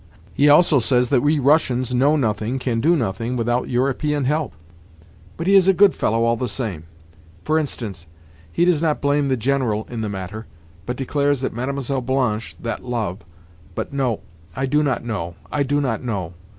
Ha, ha, ha! He also says that we Russians know nothing, can do nothing, without European help. But he is a good fellow all the same. For instance, he does not blame the General in the matter, but declares that Mlle. Blanche—that love—But no; I do not know, I do not know."